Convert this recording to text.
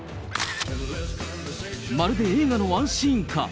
まるで映画のワンシーンか。